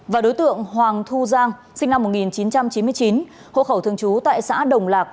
và đối tượng hoàng thu giang sinh năm một nghìn chín trăm chín mươi chín hộ khẩu thường trú tại xã đồng lạc